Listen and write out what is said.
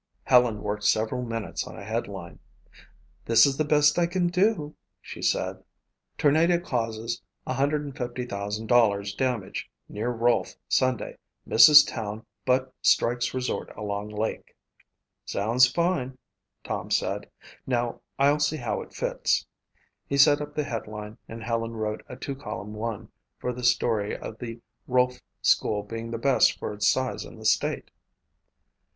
Helen worked several minutes on a headline. "This is the best I can do," she said: "TORNADO CAUSES $150,000 DAMAGE NEAR ROLFE SUNDAY; MISSES TOWN BUT STRIKES RESORT ALONG LAKE" "Sounds fine," Tom said. "Now I'll see how it fits." He set up the headline and Helen wrote a two column one for the story of the Rolfe school being the best for its size in the state.